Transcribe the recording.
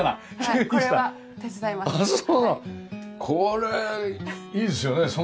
これいいですよね。